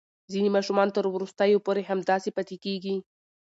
ځینې ماشومان تر وروستیو پورې همداسې پاتې کېږي.